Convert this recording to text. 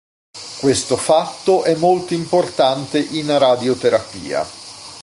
Questo fatto è molto importante in radioterapia.